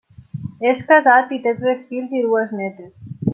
És casat i té tres fills i dues nétes.